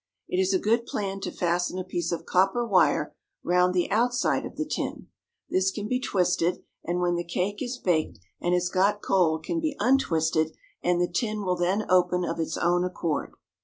It is a good plan to fasten a piece of copper wire round the outside of the tin. This can be twisted, and when the cake is baked and has got cold can be untwisted, and the tin will then open of its own accord.